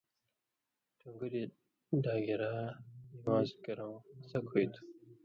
ٹھُن٘گُریۡ ڈاگیۡرا نِوان٘ز کیرُوں اڅھک ہُوئ تھُو۔